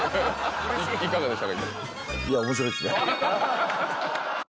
いかがでした？